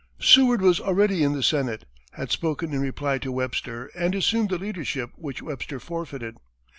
Seward was already in the Senate, had spoken in reply to Webster, and assumed the leadership which Webster forfeited.